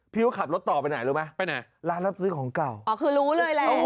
ว่าขับรถต่อไปไหนรู้ไหมไปไหนร้านรับซื้อของเก่าอ๋อคือรู้เลยแหละ